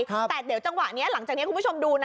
แต่เดี๋ยวจังหวะนี้หลังจากนี้คุณผู้ชมดูนะ